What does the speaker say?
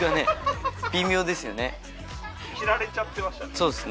そうっすね